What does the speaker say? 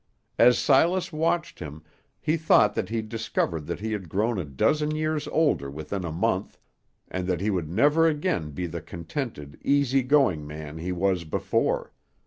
As Silas watched him, he thought that he discovered that he had grown a dozen years older within a month, and that he would never again be the contented, easy going man he was before.